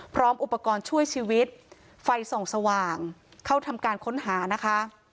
พร้อมอุปกรณ์ช่วยชีวิตไฟส่องสว่างเข้าทำการค้นหานะคะ